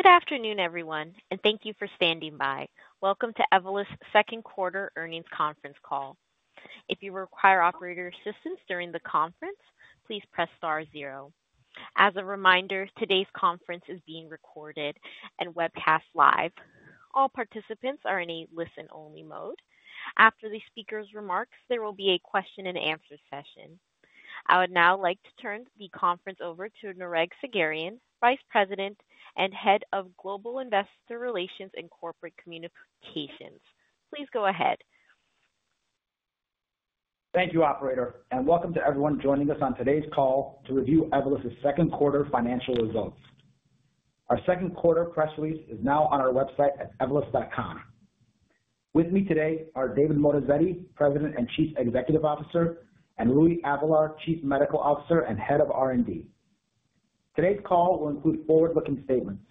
Good afternoon, everyone, and thank you for standing by. Welcome to Evolus' second quarter earnings conference call. If you require operator assistance during the conference, please press star zero. As a reminder, today's conference is being recorded and webcast live. All participants are in a listen-only mode. After the speaker's remarks, there will be a question-and-answer session. I would now like to turn the conference over to Nareg Sagherian, Vice President and Head of Global Investor Relations and Corporate Communications. Please go ahead. Thank you, Operator, and welcome to everyone joining us on today's call to review Evolus' second quarter financial results. Our second quarter press release is now on our website at evolus.com. With me today are David Moatazedi, President and Chief Executive Officer, and Rui Avelar, Chief Medical Officer and Head of R&D. Today's call will include forward-looking statements.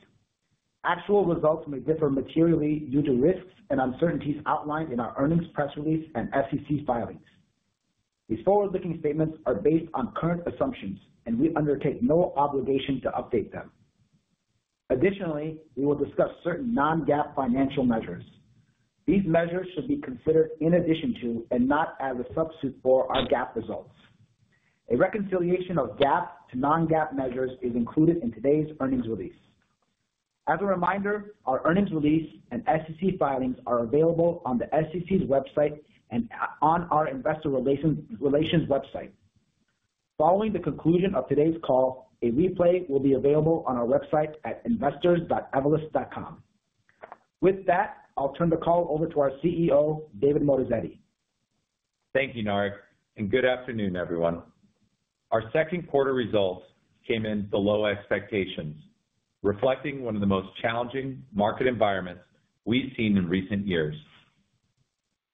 Actual results may differ materially due to risks and uncertainties outlined in our earnings press release and SEC filings. These forward-looking statements are based on current assumptions, and we undertake no obligation to update them. Additionally, we will discuss certain non-GAAP financial measures. These measures should be considered in addition to and not as a substitute for our GAAP results. A reconciliation of GAAP to non-GAAP measures is included in today's earnings release. As a reminder, our earnings release and SEC filings are available on the SEC's website and on our investor relations website. Following the conclusion of today's call, a replay will be available on our website at investors.evolus.com. With that, I'll turn the call over to our CEO, David Moatazedi. Thank you, Nareg, and good afternoon, everyone. Our second quarter results came in below expectations, reflecting one of the most challenging market environments we've seen in recent years.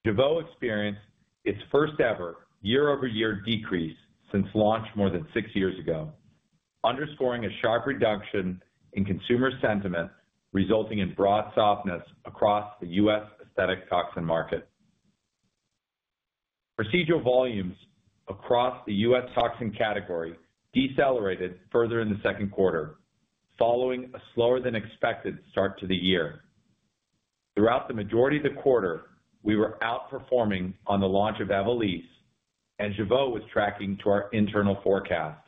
Jeuveau experienced its first-ever year-over-year decline since launch more than six years ago, underscoring a sharp reduction in consumer sentiment, resulting in broad softness across the U.S. aesthetic toxin market. Procedural volumes across the U.S. toxin category decelerated further in the second quarter, following a slower-than-expected start to the year. Throughout the majority of the quarter, we were outperforming on the launch of Evolysse, and Jeuveau was tracking to our internal forecast.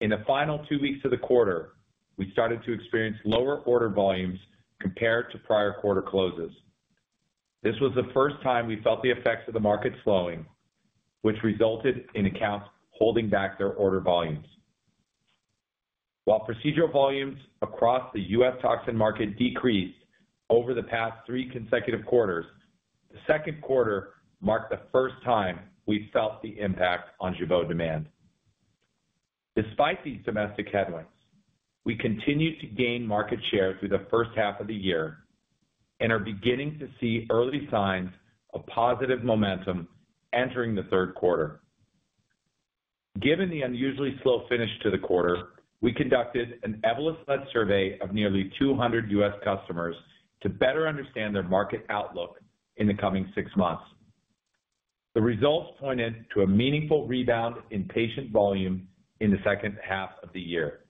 In the final two weeks of the quarter, we started to experience lower order volumes compared to prior quarter closes. This was the first time we felt the effects of the market slowing, which resulted in accounts holding back their order volumes. While procedural volumes across the U.S. toxin market decreased over the past three consecutive quarters, the second quarter marked the first time we've felt the impact on Jeuveau demand. Despite these domestic headwinds, we continued to gain market share through the first half of the year and are beginning to see early signs of positive momentum entering the third quarter. Given the unusually slow finish to the quarter, we conducted an Evolus-led survey of nearly 200 U.S. customers to better understand their market outlook in the coming six months. The results pointed to a meaningful rebound in patient volume in the second half of the year.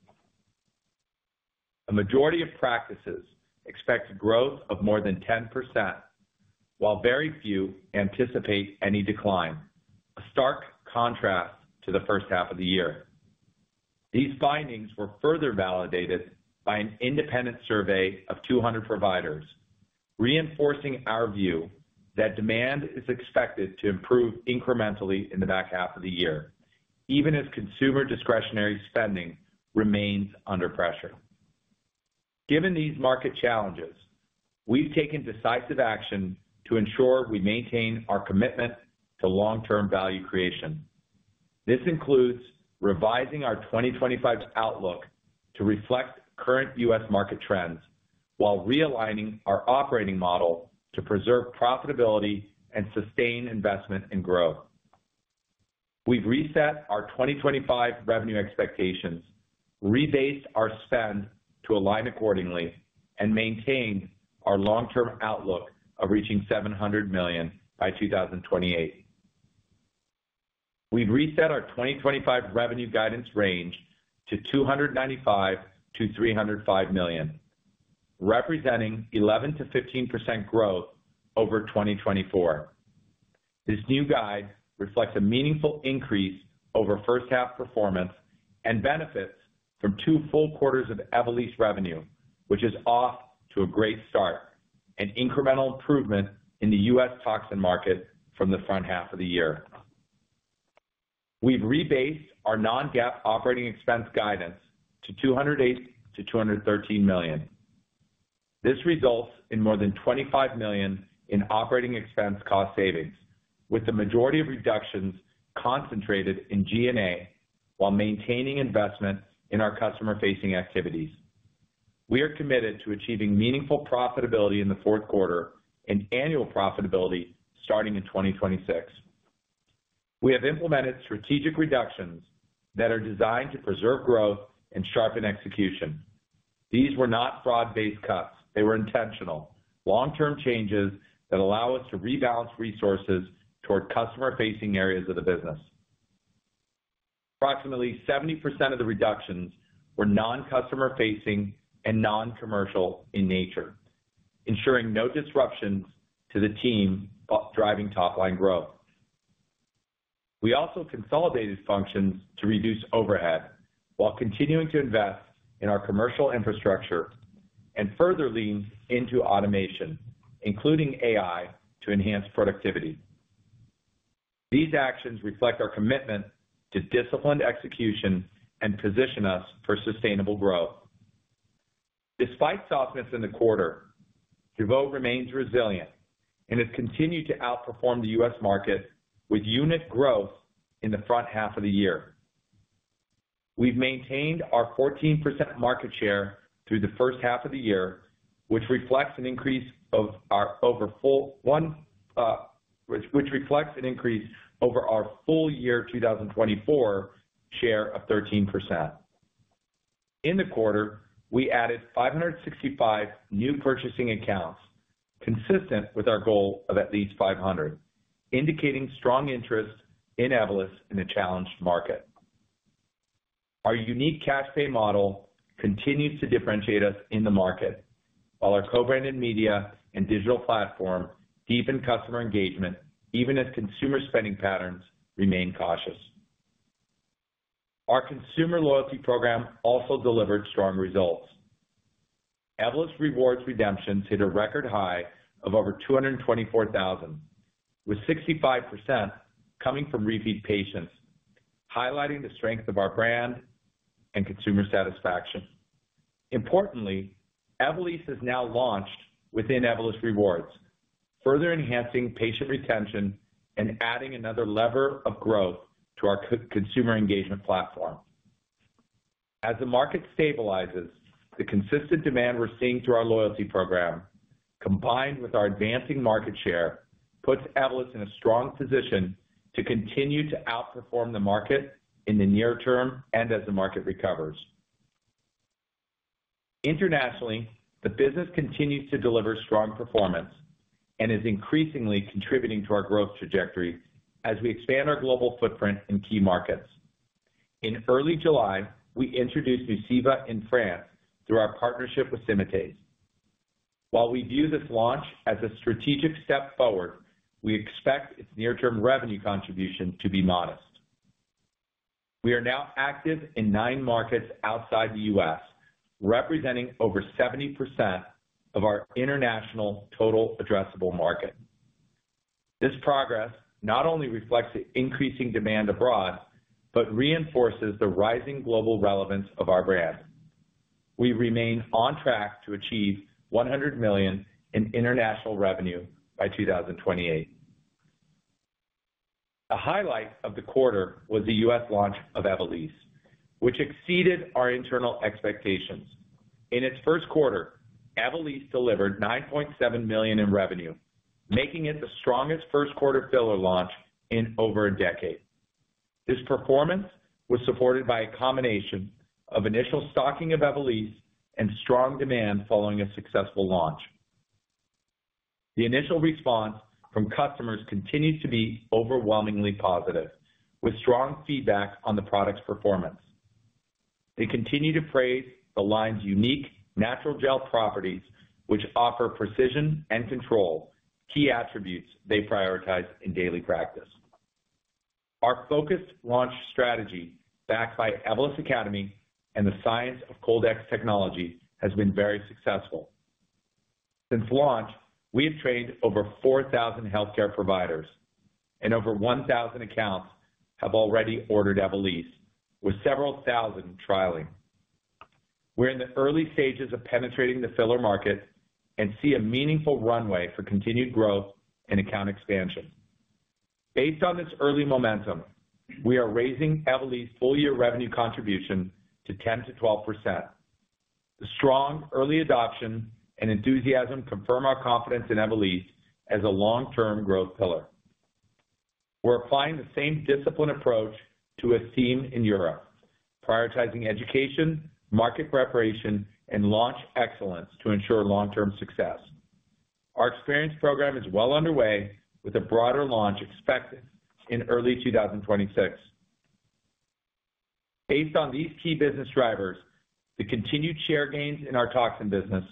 A majority of practices expect growth of more than 10%, while very few anticipate any decline, a stark contrast to the first half of the year. These findings were further validated by an independent survey of 200 providers, reinforcing our view that demand is expected to improve incrementally in the back half of the year, even as consumer discretionary spending remains under pressure. Given these market challenges, we've taken decisive action to ensure we maintain our commitment to long-term value creation. This includes revising our 2025 outlook to reflect current U.S. market trends while realigning our operating model to preserve profitability and sustain investment and growth. We've reset our 2025 revenue expectations, rebased our spend to align accordingly, and maintained our long-term outlook of reaching $700 million by 2028. We've reset our 2025 revenue guidance range to $295 million-$305 million, representing 11%-15% growth over 2024. This new guide reflects a meaningful increase over first-half performance and benefits from two full quarters of Evolysse revenue, which is off to a great start, and incremental improvement in the U.S. toxin market from the front half of the year. We've rebased our non-GAAP operating expense guidance to $208 million-$213 million. This results in more than $25 million in operating expense cost savings, with the majority of reductions concentrated in G&A, while maintaining investment in our customer-facing activities. We are committed to achieving meaningful profitability in the fourth quarter and annual profitability starting in 2026. We have implemented strategic reductions that are designed to preserve growth and sharpen execution. These were not fraud-based cuts; they were intentional, long-term changes that allow us to rebalance resources toward customer-facing areas of the business. Approximately 70% of the reductions were non-customer-facing and non-commercial in nature, ensuring no disruptions to the team driving top-line growth. We also consolidated functions to reduce overhead while continuing to invest in our commercial infrastructure and further lean into automation, including AI, to enhance productivity. These actions reflect our commitment to disciplined execution and position us for sustainable growth. Despite softness in the quarter, Jeuveau remains resilient and has continued to outperform the U.S. market with unit growth in the front half of the year. We've maintained our 14% market share through the first half of the year, which reflects an increase over our full-year 2024 share of 13%. In the quarter, we added 565 new purchasing accounts, consistent with our goal of at least 500, indicating strong interest in Evolysse in a challenged market. Our unique cash pay model continues to differentiate us in the market, while our co-branded media and digital platform deepen customer engagement, even as consumer spending patterns remain cautious. Our consumer loyalty program also delivered strong results. Evolus Rewards redemptions hit a record high of over 224,000, with 65% coming from repeat patients, highlighting the strength of our brand and consumer satisfaction. Importantly, Evolysse has now launched within Evolus Rewards, further enhancing patient retention and adding another lever of growth to our consumer engagement platform. As the market stabilizes, the consistent demand we're seeing through our loyalty program, combined with our advancing market share, puts Evolus in a strong position to continue to outperform the market in the near term and as the market recovers. Internationally, the business continues to deliver strong performance and is increasingly contributing to our growth trajectory as we expand our global footprint in key markets. In early July, we introduced Nuceiva in France through our partnership with SYMATESE. While we view this launch as a strategic step forward, we expect its near-term revenue contributions to be modest. We are now active in nine markets outside the U.S., representing over 70% of our international total addressable market. This progress not only reflects the increasing demand abroad, but reinforces the rising global relevance of our brand. We remain on track to achieve $100 million in international revenue by 2028. A highlight of the quarter was the U.S. launch of Evolysse, which exceeded our internal expectations. In its first quarter, Evolysse delivered $9.7 million in revenue, making it the strongest first-quarter filler launch in over a decade. This performance was supported by a combination of initial stocking of Evolysse and strong demand following a successful launch. The initial response from customers continued to be overwhelmingly positive, with strong feedback on the product's performance. They continue to praise the line's unique natural gel properties, which offer precision and control, key attributes they prioritize in daily practice. Our focused launch strategy, backed by Evolus Academy and the science of Cold-X technology, has been very successful. Since launch, we have trained over 4,000 healthcare providers, and over 1,000 accounts have already ordered Evolysse, with several thousand trialing. We're in the early stages of penetrating the filler market and see a meaningful runway for continued growth and account expansion. Based on this early momentum, we are raising Evolysse's full-year revenue contribution to 10%-12%. The strong early adoption and enthusiasm confirm our confidence in Evolysse as a long-term growth pillar. We're applying the same disciplined approach to what's seen in Europe, prioritizing education, market preparation, and launch excellence to ensure long-term success. Our experience program is well underway, with a broader launch expected in early 2026. Based on these key business drivers, the continued share gains in our toxin business,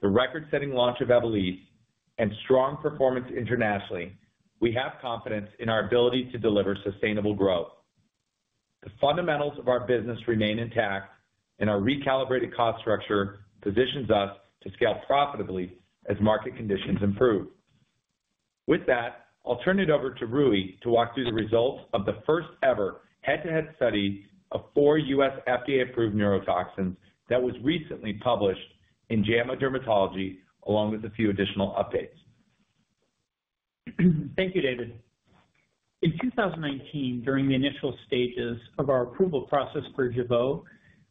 the record-setting launch of Evolus, and strong performance internationally, we have confidence in our ability to deliver sustainable growth. The fundamentals of our business remain intact, and our recalibrated cost structure positions us to scale profitably as market conditions improve. With that, I'll turn it over to Rui to walk through the results of the first-ever head-to-head study of four U.S. FDA-approved neurotoxins that was recently published in JAMA Dermatology, along with a few additional updates. Thank you, David. In 2019, during the initial stages of our approval process for Jeuveau,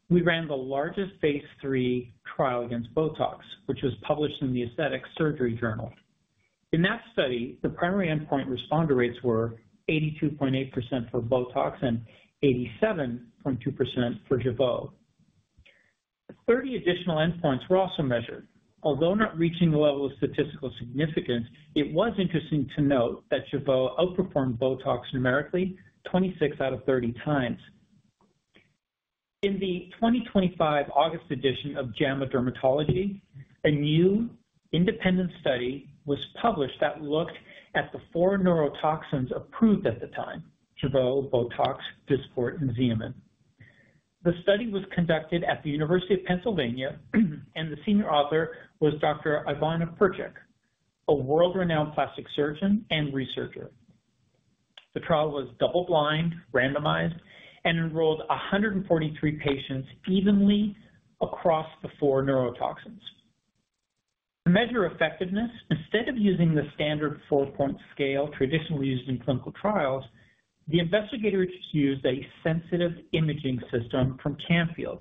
we ran the largest phase 3 trial against Botox, which was published in the Aesthetic Surgery Journal. In that study, the primary endpoint responder rates were 82.8% for Botox and 87.2% for Jeuveau. Thirty additional endpoints were also measured. Although not reaching the level of statistical significance, it was interesting to note that Jeuveau outperformed Botox numerically 26 out of 30 times. In the 2025 August edition of JAMA Dermatology, a new independent study was published that looked at the four neurotoxins approved at the time: Jeuveau, Botox, Dysport, and Xeomin. The study was conducted at the University of Pennsylvania, and the senior author was Dr. Ivana Perchek, a world-renowned plastic surgeon and researcher. The trial was double-blind, randomized, and enrolled 143 patients evenly across the four neurotoxins. To measure effectiveness, instead of using the standard four-point scale traditionally used in clinical trials, the investigators used a sensitive imaging system from Canfield,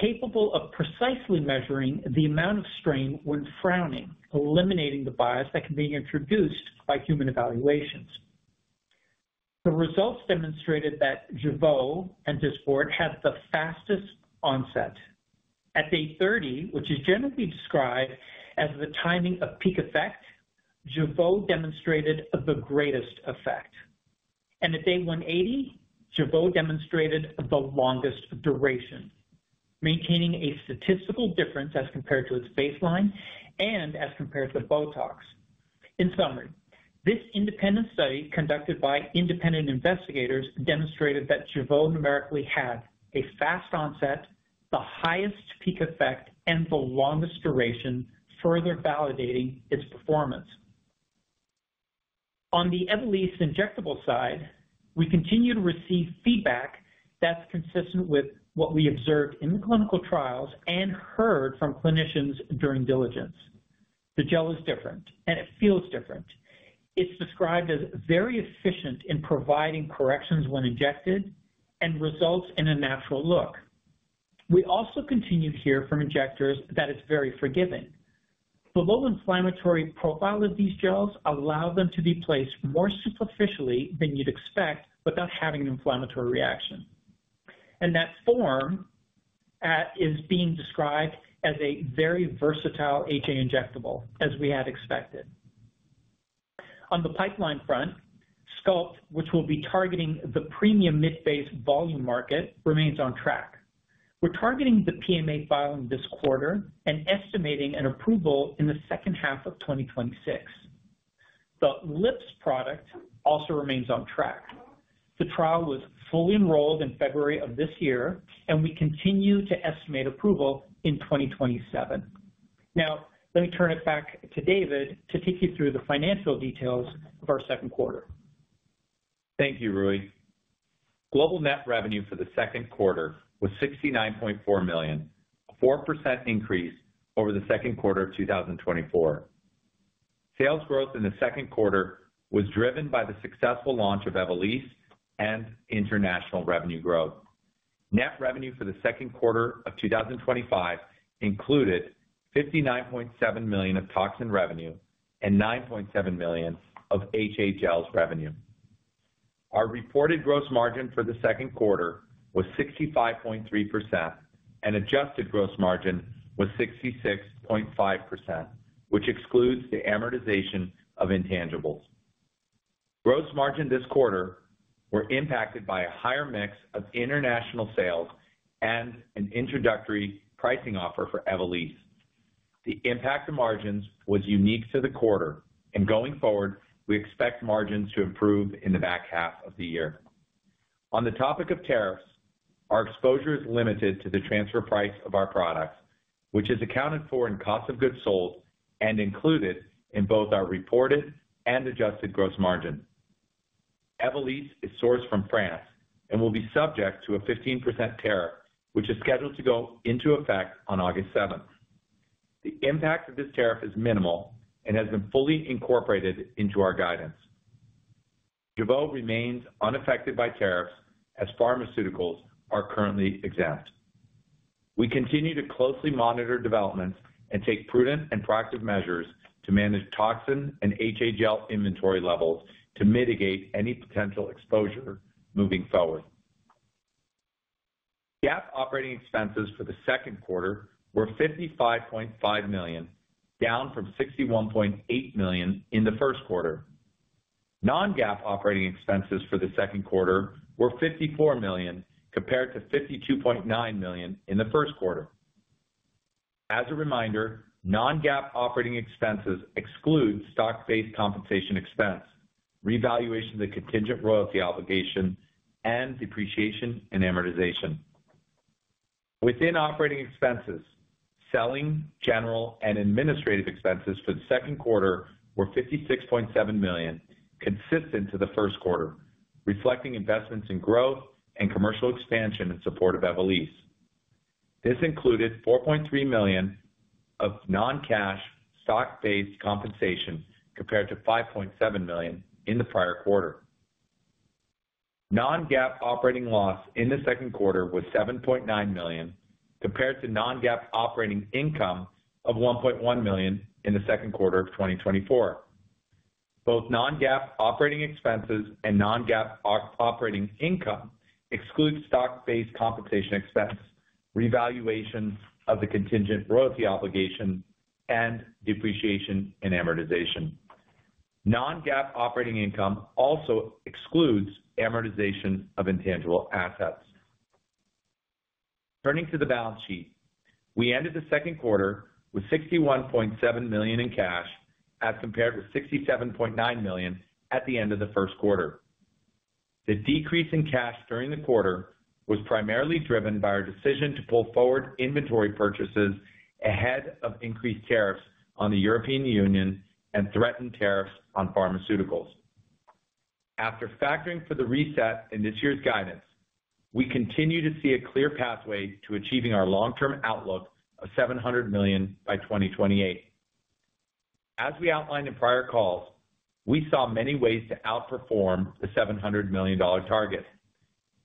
capable of precisely measuring the amount of strain when frowning, eliminating the bias that can be introduced by human evaluations. The results demonstrated that Jeuveau and Dysport had the fastest onset. At day 30, which is generally described as the timing of peak effect, Jeuveau demonstrated the greatest effect. At day 180, Jeuveau demonstrated the longest duration, maintaining a statistical difference as compared to its baseline and as compared to Botox. In summary, this independent study conducted by independent investigators demonstrated that Jeuveau numerically had a fast onset, the highest peak effect, and the longest duration, further validating its performance. On the Evolus injectable side, we continue to receive feedback that's consistent with what we observed in clinical trials and heard from clinicians during diligence. The gel is different, and it feels different. It's described as very efficient in providing corrections when injected and results in a natural look. We also continue to hear from injectors that it's very forgiving. The low-inflammatory profile of these gels allows them to be placed more superficially than you'd expect without having an inflammatory reaction. That form is being described as a very versatile HA injectable, as we had expected. On the pipeline front, Sculpt, which will be targeting the premium mid-face volume market, remains on track. We're targeting the PMA filing this quarter and estimating an approval in the second half of 2026. The lips product also remains on track. The trial was fully enrolled in February of this year, and we continue to estimate approval in 2027. Now, let me turn it back to David to take you through the financial details of our second quarter. Thank you, Rui. Global net revenue for the second quarter was $69.4 million, a 4% increase over the second quarter of 2024. Sales growth in the second quarter was driven by the successful launch of Evolysse and international revenue growth. Net revenue for the second quarter of 2025 included $59.7 million of toxin revenue and $9.7 million of HA gels revenue. Our reported gross margin for the second quarter was 65.3%, and adjusted gross margin was 66.5%, which excludes the amortization of intangibles. Gross margin this quarter was impacted by a higher mix of international sales and an introductory pricing offer for Evolysse. The impact of margins was unique to the quarter, and going forward, we expect margins to improve in the back half of the year. On the topic of tariffs, our exposure is limited to the transfer price of our products, which is accounted for in cost of goods sold and included in both our reported and adjusted gross margin. Evolysse is sourced from France and will be subject to a 15% tariff, which is scheduled to go into effect on August 7. The impact of this tariff is minimal and has been fully incorporated into our guidance. Jeuveau remains unaffected by tariffs as pharmaceuticals are currently exempt. We continue to closely monitor developments and take prudent and proactive measures to manage toxin and HA gel inventory levels to mitigate any potential exposure moving forward. GAAP operating expenses for the second quarter were $55.5 million, down from $61.8 million in the first quarter. Non-GAAP operating expenses for the second quarter were $54 million, compared to $52.9 million in the first quarter. As a reminder, non-GAAP operating expenses exclude stock-based compensation expense, revaluation of the contingent royalty obligation, and depreciation and amortization. Within operating expenses, selling, general, and administrative expenses for the second quarter were $56.7 million, consistent to the first quarter, reflecting investments in growth and commercial expansion in support of Evolysse. This included $4.3 million of non-cash stock-based compensation, compared to $5.7 million in the prior quarter. Non-GAAP operating loss in the second quarter was $7.9 million, compared to non-GAAP operating income of $1.1 million in the second quarter of 2024. Both non-GAAP operating expenses and non-GAAP operating income exclude stock-based compensation expense, revaluation of the contingent royalty obligation, and depreciation and amortization. Non-GAAP operating income also excludes amortization of intangible assets. Turning to the balance sheet, we ended the second quarter with $61.7 million in cash, as compared with $67.9 million at the end of the first quarter. The decrease in cash during the quarter was primarily driven by our decision to pull forward inventory purchases ahead of increased tariffs on the European Union and threatened tariffs on pharmaceuticals. After factoring for the reset in this year's guidance, we continue to see a clear pathway to achieving our long-term outlook of $700 million by 2028. As we outlined in prior calls, we saw many ways to outperform the $700 million target,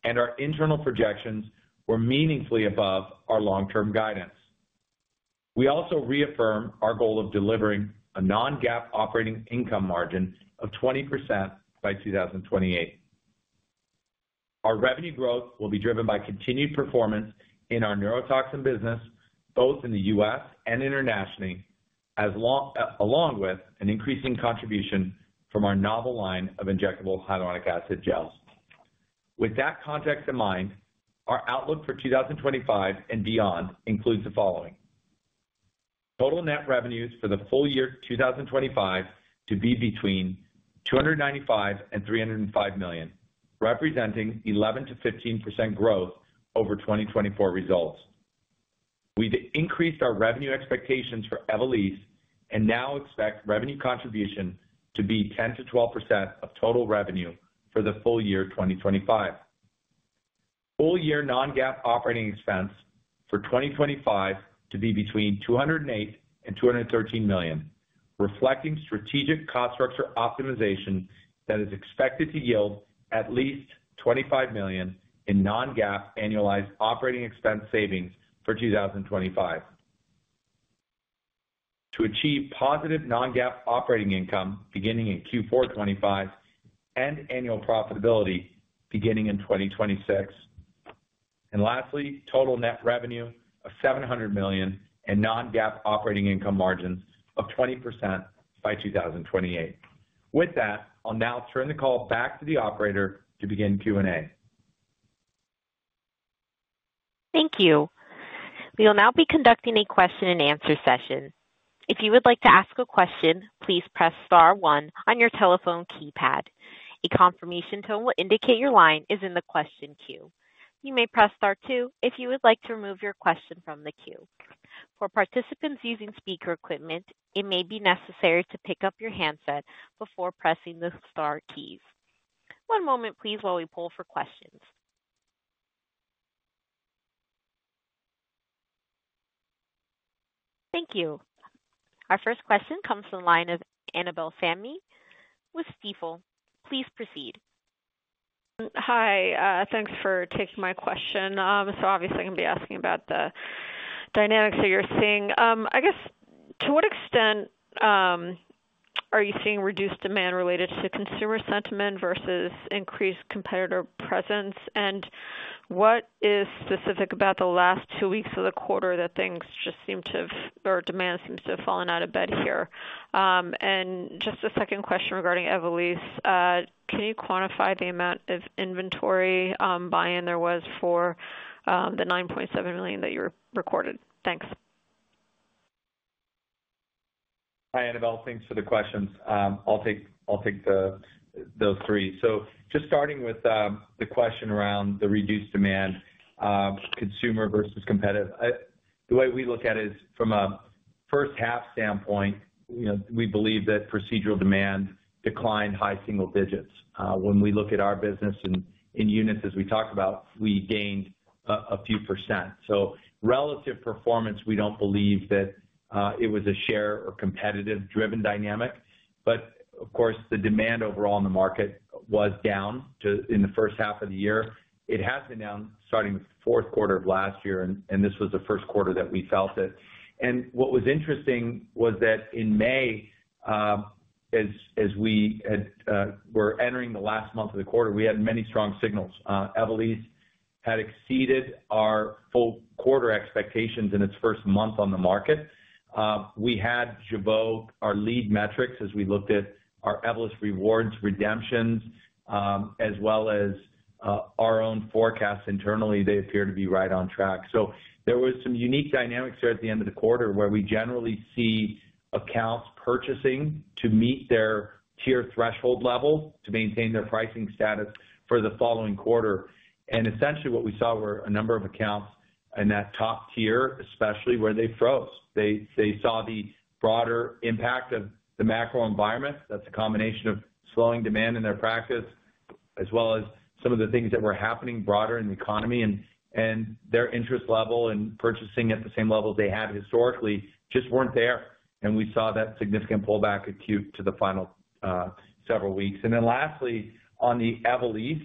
and our internal projections were meaningfully above our long-term guidance. We also reaffirmed our goal of delivering a non-GAAP operating income margin of 20% by 2028. Our revenue growth will be driven by continued performance in our neurotoxin business, both in the U.S. and internationally, along with an increasing contribution from our novel line of injectable hyaluronic acid gels. With that context in mind, our outlook for 2025 and beyond includes the following: total net revenues for the full year 2025 to be between $295 million and $305 million, representing 11%-15% growth over 2024 results. We've increased our revenue expectations for Evolus and now expect revenue contribution to be 10%-12% of total revenue for the full year 2025. Full-year non-GAAP operating expense for 2025 to be between $208 million and $213 million, reflecting strategic cost structure optimization that is expected to yield at least $25 million in non-GAAP annualized operating expense savings for 2025. To achieve positive non-GAAP operating income beginning in Q4 2025 and annual profitability beginning in 2026. Lastly, total net revenue of $700 million and non-GAAP operating income margins of 20% by 2028. With that, I'll now turn the call back to the Operator to begin Q&A. Thank you. We will now be conducting a question-and-answer session. If you would like to ask a question, please press star one on your telephone keypad. A confirmation tone will indicate your line is in the question queue. You may press star two if you would like to remove your question from the queue. For participants using speaker equipment, it may be necessary to pick up your handset before pressing the star keys. One moment, please, while we pull for questions. Thank you. Our first question comes from the line of Annabel Samimy with Stifel. Please proceed. Hi. Thanks for taking my question. Obviously, I'm going to be asking about the dynamics that you're seeing. I guess, to what extent are you seeing reduced demand related to consumer sentiment versus increased competitor presence? What is specific about the last two weeks of the quarter that things just seem to have, or demand seems to have fallen out of bed here? Just a second question regarding Evolus. Can you quantify the amount of inventory buy-in there was for the $9.7 million that you recorded? Thanks. Hi, Annabel. Thanks for the questions. I'll take those three. Just starting with the question around the reduced demand consumer versus competitor, the way we look at it is, from a first-half standpoint, we believe that procedural demand declined high single digits. When we look at our business in units, as we talked about, we gained a few percentage. Relative performance, we don't believe that it was a share or competitive-driven dynamic. Of course, the demand overall in the market was down in the first half of the year. It has been down starting the fourth quarter of last year, and this was the first quarter that we felt it. What was interesting was that in May, as we were entering the last month of the quarter, we had many strong signals. Evolus had exceeded our full quarter expectations in its first month on the market. We had Jeuveau, our lead metrics, as we looked at our Evolus Rewards redemptions, as well as our own forecasts internally. They appear to be right on track. There were some unique dynamics there at the end of the quarter where we generally see accounts purchasing to meet their tier threshold levels to maintain their pricing status for the following quarter. Essentially, what we saw were a number of accounts in that top tier, especially where they froze. They saw the broader impact of the macro environment. That's a combination of slowing demand in their practice, as well as some of the things that were happening broader in the economy. Their interest level and purchasing at the same level they had historically just weren't there. We saw that significant pullback acute to the final several weeks. Lastly, on the Evolus,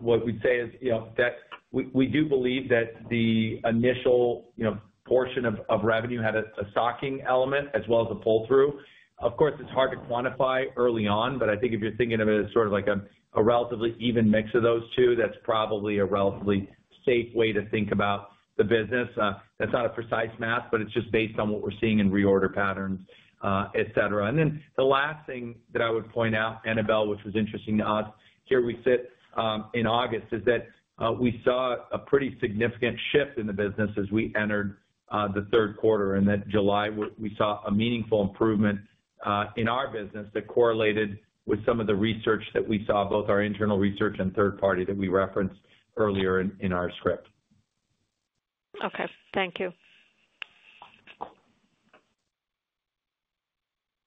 what we'd say is that we do believe that the initial portion of revenue had a stocking element as well as a pull-through. Of course, it's hard to quantify early on, but I think if you're thinking of it as sort of like a relatively even mix of those two, that's probably a relatively safe way to think about the business. That's not a precise math, but it's just based on what we're seeing in reorder patterns, et cetera. The last thing that I would point out, Annabel, which was interesting to us, here we sit in August, is that we saw a pretty significant shift in the business as we entered the third quarter. In July, we saw a meaningful improvement in our business that correlated with some of the research that we saw, both our internal research and third party that we referenced earlier in our script. Okay, thank you.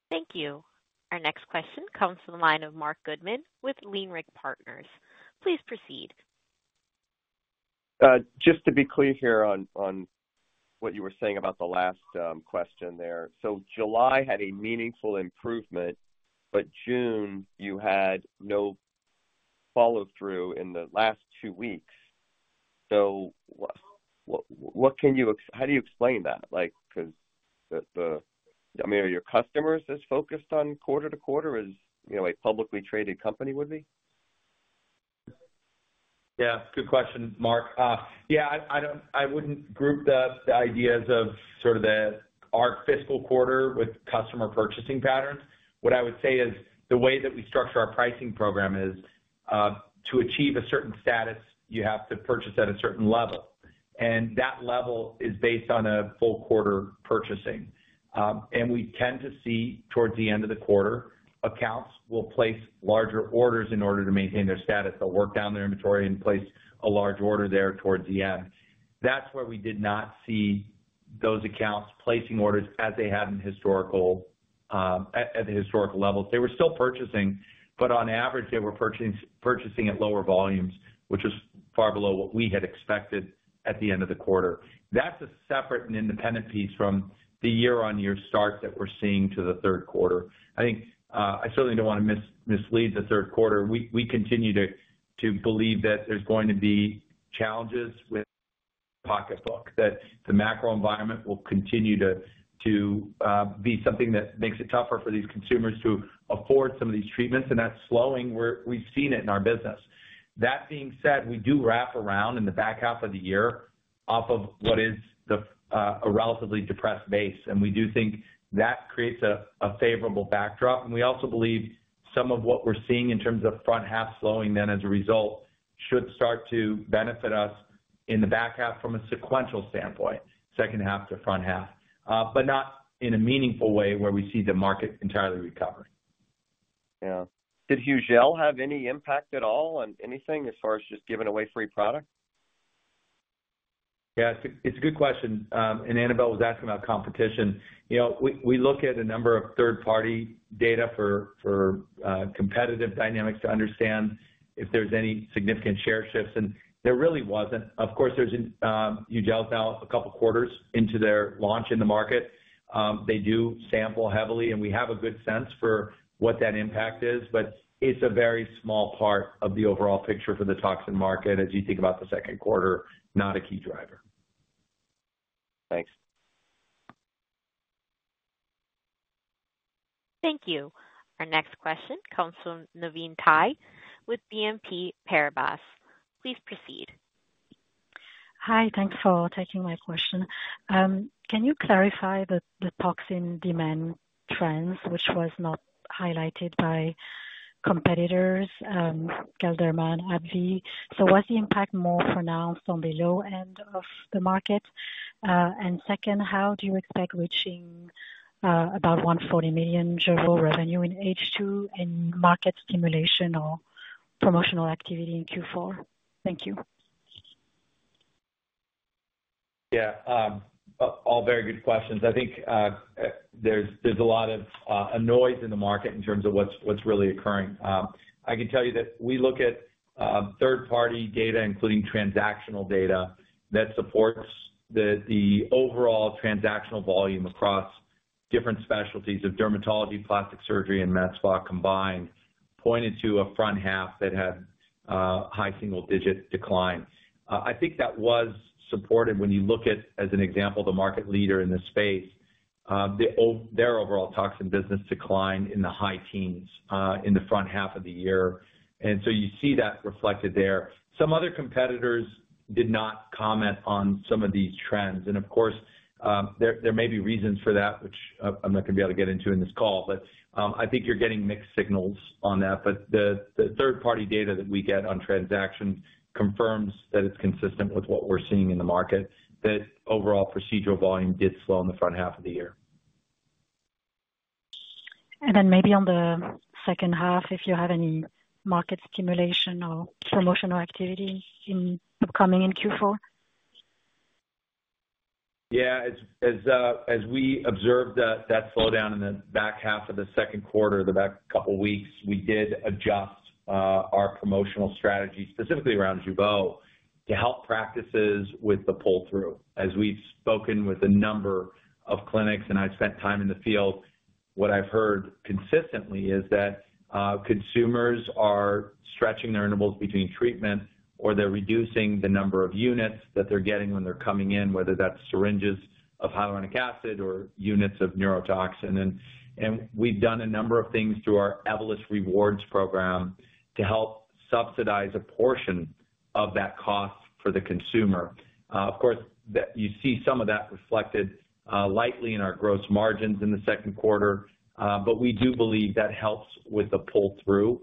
Thank you. Our next question comes from the line of Marc Goodman with Leerink Partners. Please proceed. Just to be clear here on what you were saying about the last question there, July had a meaningful improvement, but June, you had no follow-through in the last two weeks. What can you explain? How do you explain that? I mean, are your customers as focused on quarter to quarter as a publicly traded company would be? Good question, Mark. I don't, I wouldn't group the ideas of the fiscal quarter with customer purchasing patterns. What I would say is the way that we structure our pricing program is, to achieve a certain status, you have to purchase at a certain level. That level is based on a full quarter purchasing. We tend to see towards the end of the quarter, accounts will place larger orders in order to maintain their status. They'll work down their inventory and place a large order there towards the end. That's where we did not see those accounts placing orders as they had at the historical levels. They were still purchasing, but on average, they were purchasing at lower volumes, which was far below what we had expected at the end of the quarter. That's a separate and independent piece from the year-over-year decline that we're seeing to the third quarter. I certainly don't want to mislead the third quarter. We continue to believe that there's going to be challenges with the pocketbook, that the macro environment will continue to be something that makes it tougher for these consumers to afford some of these treatments. That slowing, we've seen it in our business. That being said, we do wrap around in the back half of the year off of what is a relatively depressed base. We do think that creates a favorable backdrop. We also believe some of what we're seeing in terms of front half slowing then as a result should start to benefit us in the back half from a sequential standpoint, second half to front half, but not in a meaningful way where we see the market entirely recover. Yeah. Did Hugel have any impact at all on anything as far as just giving away free product? Yeah, it's a good question. Annabel was asking about competition. You know, we look at a number of third-party data for competitive dynamics to understand if there's any significant share shifts, and there really wasn't. Of course, Hugel is now a couple of quarters into their launch in the market. They do sample heavily, and we have a good sense for what that impact is, but it's a very small part of the overall picture for the toxin market as you think about the second quarter, not a key driver. Thanks. Thank you. Our next question comes from Navann Ty with BNP Paribas. Please proceed. Hi. Thanks for taking my question. Can you clarify the toxin demand trends, which were not highlighted by competitors, AbbVie, Galderma? Was the impact more pronounced on the low end of the market? How do you expect reaching about $140 million Jeuveau revenue in H2? Any market stimulation or promotional activity in Q4? Thank you. Yeah. All very good questions. I think there's a lot of noise in the market in terms of what's really occurring. I can tell you that we look at third-party data, including transactional data, that supports the overall transactional volume across different specialties of dermatology, plastic surgery, and med spa combined, pointed to a front half that had a high single-digit decline. I think that was supported when you look at, as an example, the market leader in this space, their overall toxin business declined in the high teens in the front half of the year. You see that reflected there. Some other competitors did not comment on some of these trends. Of course, there may be reasons for that, which I'm not going to be able to get into in this call. I think you're getting mixed signals on that. The third-party data that we get on transaction confirms that it's consistent with what we're seeing in the market, that overall procedural volume did slow in the front half of the year. Maybe on the second half, if you have any market stimulation or promotional activity upcoming in Q4? As we observed that slowdown in the back half of the second quarter, the back couple of weeks, we did adjust our promotional strategy, specifically around Jeuveau, to help practices with the pull-through. As we've spoken with a number of clinics and I've spent time in the field, what I've heard consistently is that consumers are stretching their intervals between treatment, or they're reducing the number of units that they're getting when they're coming in, whether that's syringes of hyaluronic acid or units of neurotoxin. We've done a number of things through our Evolus Rewards program to help subsidize a portion of that cost for the consumer. Of course, you see some of that reflected lightly in our gross margins in the second quarter, but we do believe that helps with the pull-through.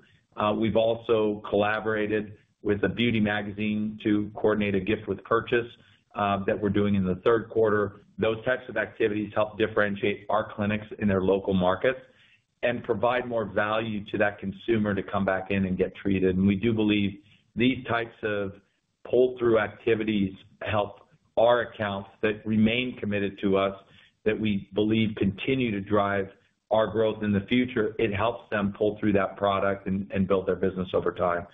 We've also collaborated with a beauty magazine to coordinate a gift with purchase that we're doing in the third quarter. Those types of activities help differentiate our clinics in their local markets and provide more value to that consumer to come back in and get treated. We do believe these types of pull-through activities help our accounts that remain committed to us, that we believe continue to drive our growth in the future. It helps them pull through that product and build their business over time.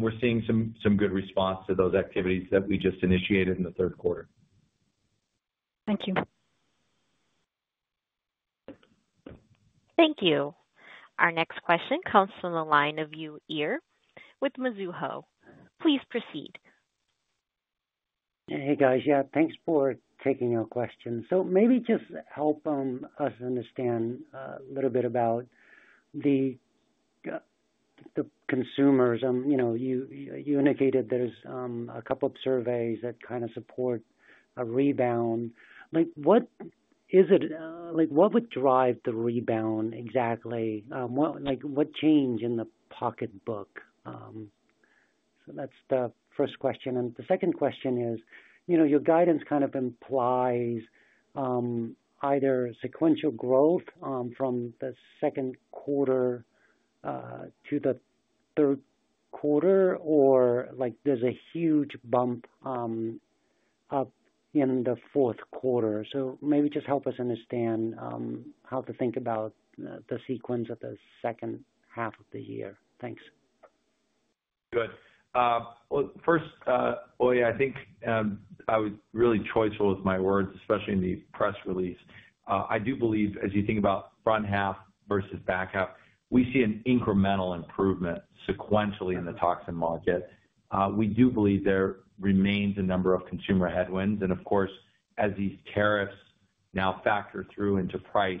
We're seeing some good response to those activities that we just initiated in the third quarter. Thank you. Thank you. Our next question comes from the line of Uy Ear with Mizuho. Please proceed. Hey, guys. Yeah, thanks for taking your question. Maybe just help us understand a little bit about the consumers. You indicated there's a couple of surveys that kind of support a rebound. What is it? What would drive the rebound exactly? What change in the pocketbook? That's the first question. The second question is, you know, your guidance kind of implies either sequential growth from the second quarter to the third quarter, or there's a huge bump up in the fourth quarter. Maybe just help us understand how to think about the sequence of the second half of the year. Thanks. Good. First, I think I was really choiceful with my words, especially in the press release. I do believe, as you think about front half versus back half, we see an incremental improvement sequentially in the toxin market. We do believe there remains a number of consumer headwinds. Of course, as these tariffs now factor through into price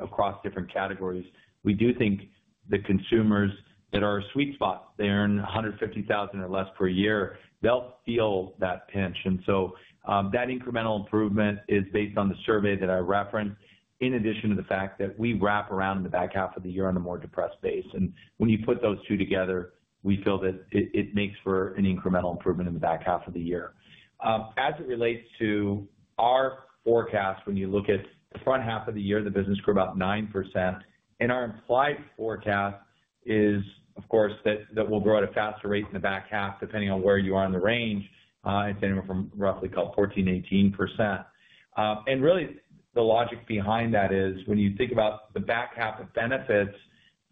across different categories, we do think the consumers that are sweet spots, they earn $150,000 or less per year, they'll feel that pinch. That incremental improvement is based on the survey that I referenced, in addition to the fact that we wrap around in the back half of the year on a more depressed base. When you put those two together, we feel that it makes for an incremental improvement in the back half of the year. As it relates to our forecast, when you look at the front half of the year, the business grew about 9%. Our implied forecast is, of course, that we'll grow at a faster rate in the back half, depending on where you are in the range. It's anywhere from roughly about 14%-18%. The logic behind that is when you think about the back half of benefits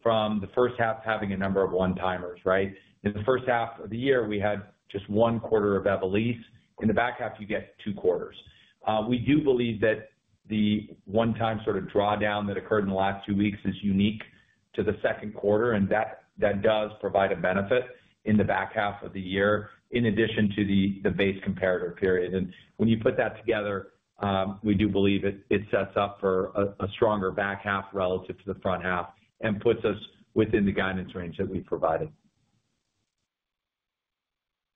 from the first half having a number of one-timers, right? In the first half of the year, we had just one quarter of Evolus. In the back half, you get two quarters. We do believe that the one-time sort of drawdown that occurred in the last two weeks is unique to the second quarter, and that does provide a benefit in the back half of the year, in addition to the base competitor period. When you put that together, we do believe it sets up for a stronger back half relative to the front half and puts us within the guidance range that we've provided.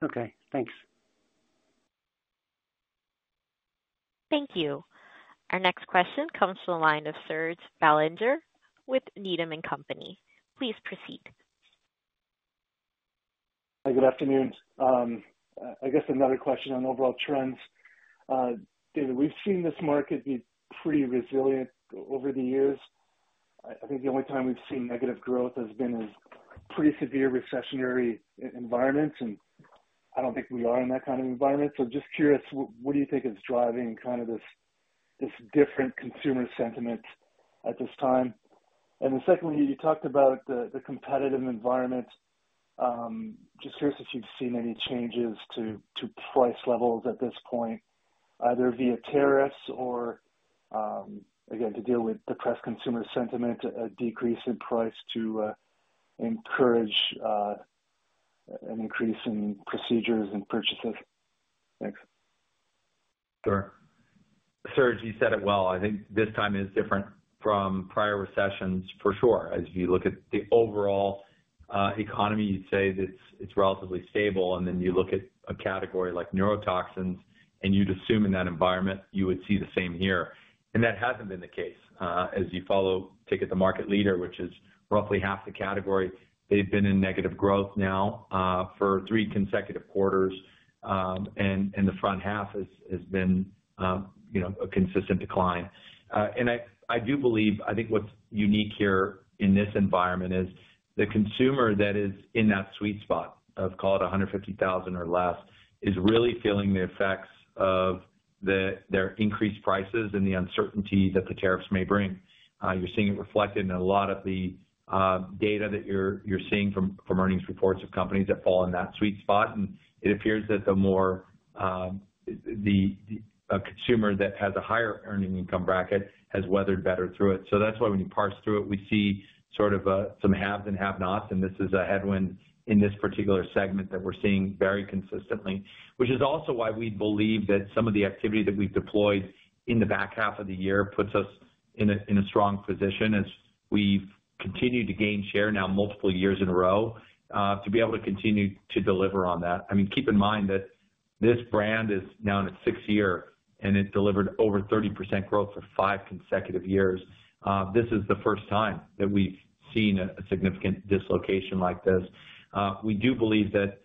Okay. Thanks. Thank you. Our next question comes from the line of Serge Belanger with Needham & Company. Please proceed. Hi. Good afternoon. I guess another question on overall trends. David, we've seen this market be pretty resilient over the years. I think the only time we've seen negative growth has been in pretty severe recessionary environments, and I don't think we are in that kind of environment. Just curious, what do you think is driving kind of this different consumer sentiment at this time? Secondly, you talked about the competitive environment. Just curious if you've seen any changes to price levels at this point, either via tariffs or, again, to deal with depressed consumer sentiment, a decrease in price to encourage an increase in procedures and purchases. Thanks. Sure. Serge, you said it well. I think this time is different from prior recessions, for sure. As you look at the overall economy, you'd say it's relatively stable. You look at a category like neurotoxins, and you'd assume in that environment, you would see the same here. That hasn't been the case. As you follow, take it the market leader, which is roughly half the category, they've been in negative growth now for three consecutive quarters, and the front half has been a consistent decline. I do believe, I think what's unique here in this environment is the consumer that is in that sweet spot of, call it, $150,000 or less is really feeling the effects of their increased prices and the uncertainty that the tariffs may bring. You're seeing it reflected in a lot of the data that you're seeing from earnings reports of companies that fall in that sweet spot. It appears that the consumer that has a higher earning income bracket has weathered better through it. That's why when you parse through it, we see sort of some haves and have-nots. This is a headwind in this particular segment that we're seeing very consistently, which is also why we believe that some of the activity that we've deployed in the back half of the year puts us in a strong position as we've continued to gain share now multiple years in a row to be able to continue to deliver on that. Keep in mind that this brand is now in its sixth year, and it delivered over 30% growth for five consecutive years. This is the first time that we've seen a significant dislocation like this. We do believe that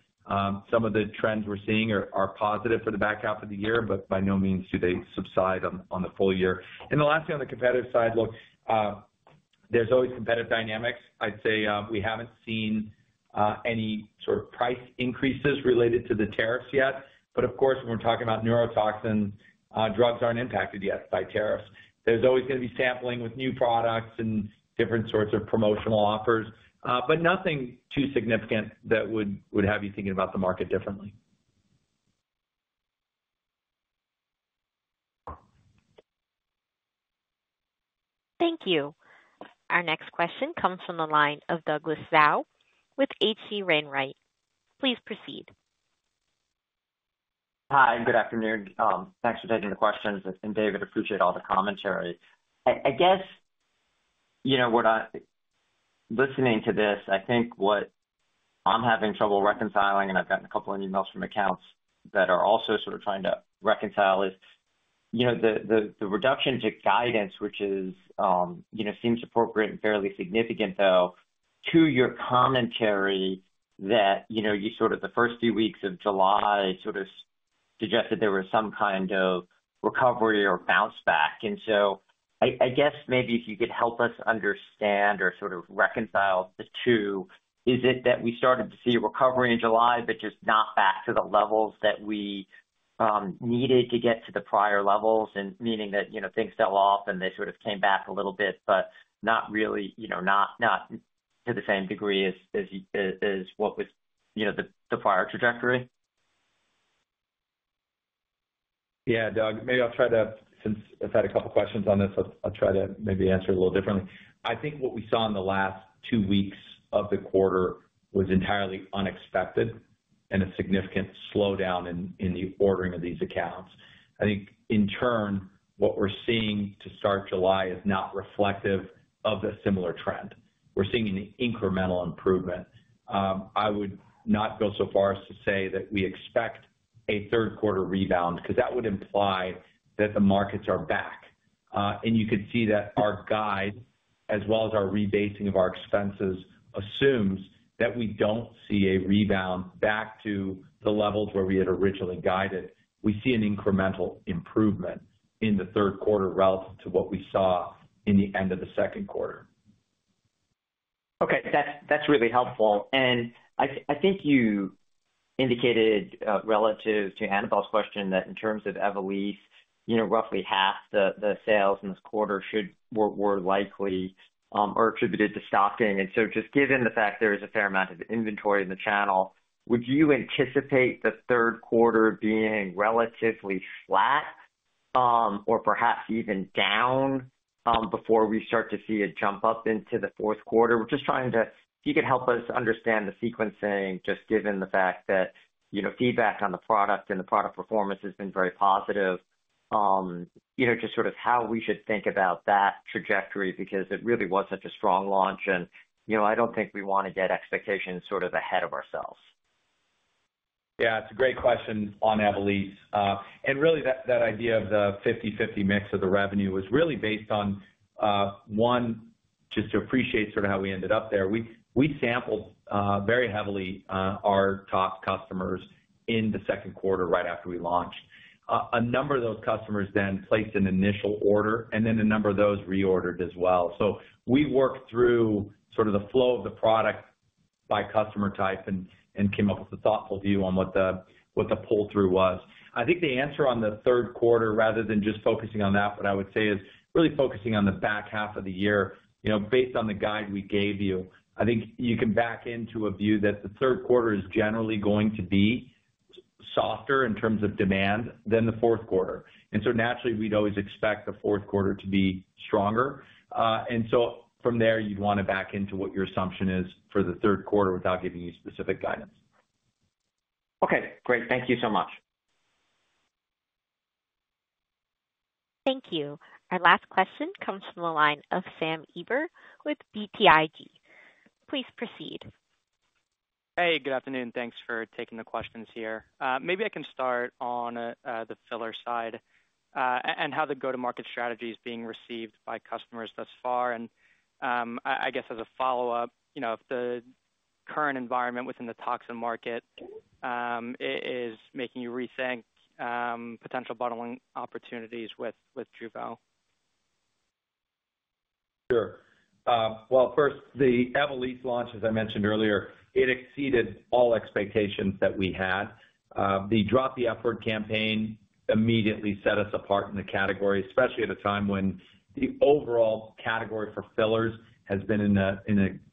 some of the trends we're seeing are positive for the back half of the year, but by no means do they subside on the full year. The last thing on the competitive side, look, there's always competitive dynamics. I'd say we haven't seen any sort of price increases related to the tariffs yet. Of course, when we're talking about neurotoxins, drugs aren't impacted yet by tariffs. There's always going to be sampling with new products and different sorts of promotional offers, but nothing too significant that would have you thinking about the market differently. Thank you. Our next question comes from the line of Doug Tsao with H.C. Wainwright. Please proceed. Hi. Good afternoon. Thanks for taking the questions. David, appreciate all the commentary. I guess, listening to this, I think what I'm having trouble reconciling, and I've gotten a couple of emails from accounts that are also sort of trying to reconcile, is the reduction to guidance, which seems appropriate and fairly significant, though to your commentary that the first few weeks of July suggested there was some kind of recovery or bounce back. I guess maybe if you could help us understand or sort of reconcile the two, is it that we started to see a recovery in July, but just not back to the levels that we needed to get to the prior levels? Meaning that things fell off and they came back a little bit, but not really, not to the same degree as what was the prior trajectory? Yeah, Doug, maybe I'll try to, since I've had a couple of questions on this, I'll try to maybe answer it a little differently. I think what we saw in the last two weeks of the quarter was entirely unexpected and a significant slowdown in the ordering of these accounts. I think in turn, what we're seeing to start July is not reflective of a similar trend. We're seeing an incremental improvement. I would not go so far as to say that we expect a third-quarter rebound because that would imply that the markets are back. You could see that our guide, as well as our rebasing of our expenses, assumes that we don't see a rebound back to the levels where we had originally guided. We see an incremental improvement in the third quarter relative to what we saw in the end of the second quarter. Okay. That's really helpful. I think you indicated relative to Annabel's question that in terms of Evolus, roughly half the sales in this quarter were likely attributed to stocking. Just given the fact there is a fair amount of inventory in the channel, would you anticipate the third quarter being relatively flat or perhaps even down before we start to see a jump up into the fourth quarter? We're just trying to, if you could help us understand the sequencing, just given the fact that feedback on the product and the product performance has been very positive, you know, just sort of how we should think about that trajectory because it really was such a strong launch. You know, I don't think we want to get expectations sort of ahead of ourselves. Yeah, it's a great question on Evolus. That idea of the 50/50 mix of the revenue was really based on, one, just to appreciate sort of how we ended up there. We sampled very heavily our top customers in the second quarter right after we launched. A number of those customers then placed an initial order, and then a number of those reordered as well. We worked through sort of the flow of the product by customer type and came up with a thoughtful view on what the pull-through was. I think the answer on the third quarter, rather than just focusing on that, what I would say is really focusing on the back half of the year. Based on the guide we gave you, I think you can back into a view that the third quarter is generally going to be softer in terms of demand than the fourth quarter. Naturally, we'd always expect the fourth quarter to be stronger. From there, you'd want to back into what your assumption is for the third quarter without giving you specific guidance. Okay. Great. Thank you so much. Thank you. Our last question comes from the line of Sam Eiber with BTIG. Please proceed. Hey, good afternoon. Thanks for taking the questions here. Maybe I can start on the filler side and how the go-to-market strategy is being received by customers thus far. I guess as a follow-up, you know, if the current environment within the toxin market is making you rethink potential bottling opportunities with Jeuveau. Sure. First, the Evolysse launch, as I mentioned earlier, exceeded all expectations that we had. The Drop the Effort campaign immediately set us apart in the category, especially at a time when the overall category for fillers has been in a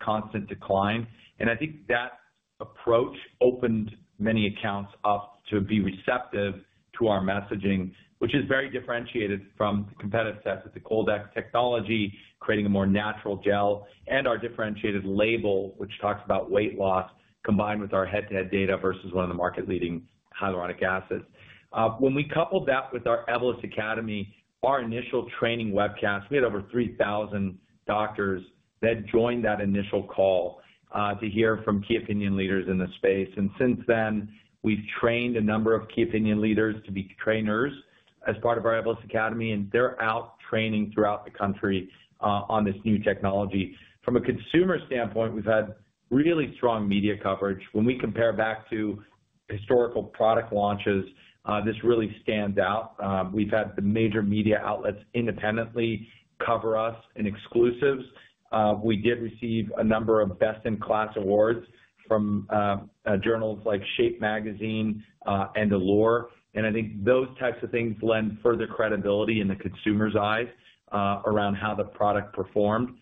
constant decline. I think that approach opened many accounts up to be receptive to our messaging, which is very differentiated from the competitive test with the ColdX technology, creating a more natural gel, and our differentiated label, which talks about weight loss combined with our head-to-head data versus one of the market-leading hyaluronic acids. When we coupled that with our Evolus Academy, our initial training webcast, we had over 3,000 doctors that joined that initial call to hear from key opinion leaders in the space. Since then, we've trained a number of key opinion leaders to be trainers as part of our Evolus Academy, and they're out training throughout the country on this new technology. From a consumer standpoint, we've had really strong media coverage. When we compare back to historical product launches, this really stands out. We've had the major media outlets independently cover us in exclusives. We did receive a number of best-in-class awards from journals like Shape Magazine and Allure. I think those types of things lend further credibility in the consumer's eyes around how the product performed.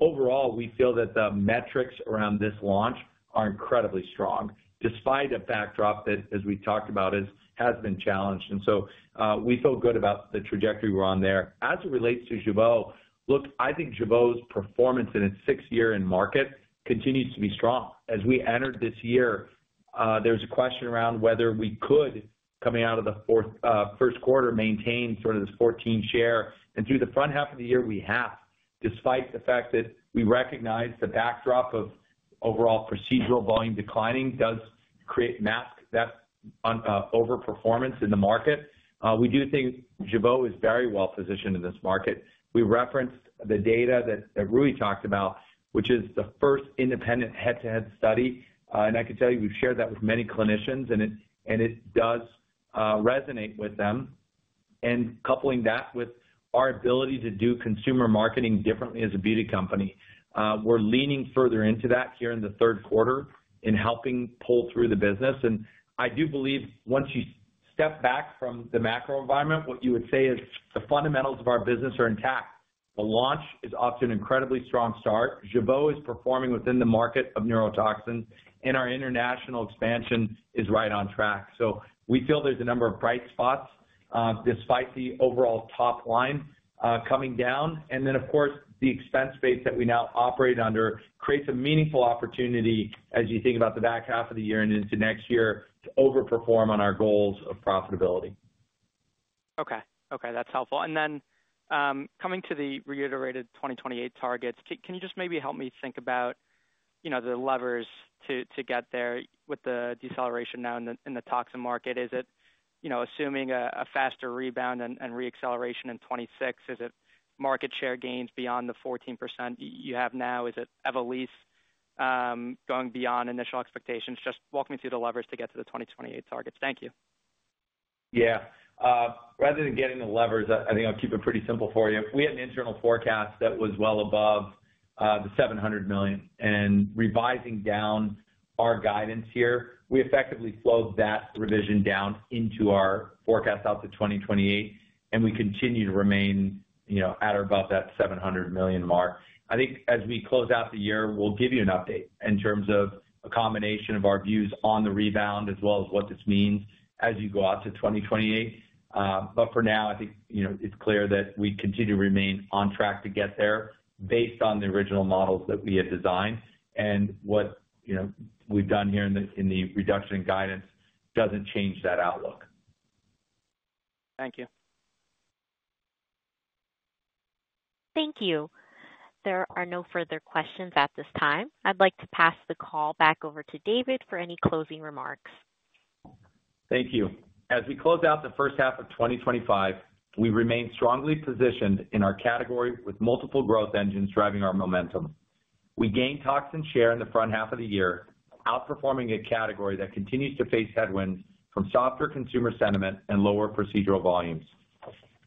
Overall, we feel that the metrics around this launch are incredibly strong, despite a backdrop that, as we talked about, has been challenged. We feel good about the trajectory we're on there. As it relates to Jeuveau, I think Jeuveau's performance in its sixth year in market continues to be strong. As we entered this year, there was a question around whether we could, coming out of the first quarter, maintain sort of this 14% share. Through the front half of the year, we have, despite the fact that we recognize the backdrop of overall procedural volume declining does create mask that overperformance in the market. We do think Jeuveau is very well positioned in this market. We referenced the data that Rui talked about, which is the first independent head-to-head study. I can tell you we've shared that with many clinicians, and it does resonate with them. Coupling that with our ability to do consumer marketing differently as a beauty company, we're leaning further into that here in the third quarter in helping pull through the business. I do believe once you step back from the macro environment, what you would say is the fundamentals of our business are intact. The launch is off to an incredibly strong start. Jeuveau is performing within the market of neurotoxins, and our international expansion is right on track. We feel there's a number of bright spots, despite the overall top line coming down. The expense base that we now operate under creates a meaningful opportunity as you think about the back half of the year and into next year to overperform on our goals of profitability. Okay. That's helpful. Coming to the reiterated 2028 targets, can you just maybe help me think about the levers to get there with the deceleration now in the toxin market? Is it assuming a faster rebound and reacceleration in 2026? Is it market share gains beyond the 14% you have now? Is it Evolus going beyond initial expectations? Just walk me through the levers to get to the 2028 targets. Thank you. Rather than getting the levers, I think I'll keep it pretty simple for you. We had an internal forecast that was well above the $700 million. Revising down our guidance here, we effectively flowed that revision down into our forecast out to 2028, and we continue to remain at or about that $700 million mark. As we close out the year, we'll give you an update in terms of a combination of our views on the rebound as well as what this means as you go out to 2028. For now, I think it's clear that we continue to remain on track to get there based on the original models that we have designed. What we've done here in the reduction in guidance doesn't change that outlook. Thank you. Thank you. There are no further questions at this time. I'd like to pass the call back over to David for any closing remarks. Thank you. As we close out the first half of 2025, we remain strongly positioned in our category with multiple growth engines driving our momentum. We gained toxin share in the front half of the year, outperforming a category that continues to face headwinds from softer consumer sentiment and lower procedural volumes.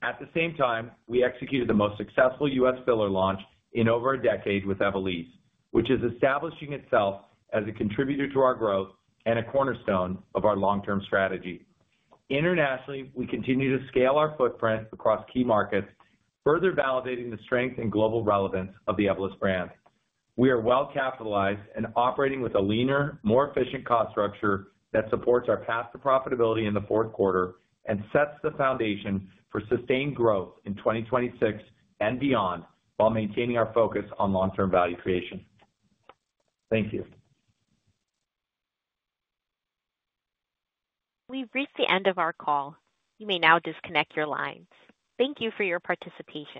At the same time, we executed the most successful U.S. filler launch in over a decade with Evolysse, which is establishing itself as a contributor to our growth and a cornerstone of our long-term strategy. Internationally, we continue to scale our footprint across key markets, further validating the strength and global relevance of the Evolus brand. We are well capitalized and operating with a leaner, more efficient cost structure that supports our path to profitability in the fourth quarter and sets the foundation for sustained growth in 2026 and beyond, while maintaining our focus on long-term value creation. Thank you. We've reached the end of our call. You may now disconnect your lines. Thank you for your participation.